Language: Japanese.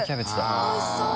おいしそう！